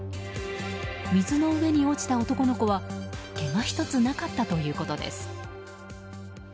水の上に落ちた男の子はけがひとつなかったということです。